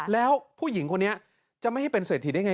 แล้วผู้หญิงคนนี้จะไม่ให้เป็นเศรษฐีได้ไง